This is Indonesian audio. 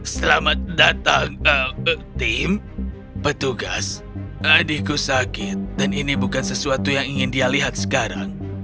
selamat datang tim petugas adikku sakit dan ini bukan sesuatu yang ingin dia lihat sekarang